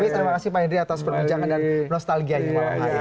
tapi terima kasih pak henry atas perbincangan dan nostalgianya malam hari ini